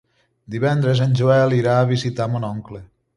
Divendres en Joel irà a visitar mon oncle.